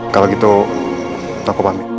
kalau gitu lo kok pamit